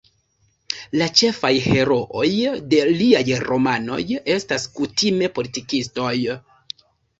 La ĉefaj herooj de liaj romanoj estas kutime politikistoj.